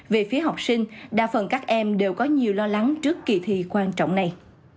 về phía học sinh đa phần các em đều có nhiều lo lắng trước kỳ thi quan trọng này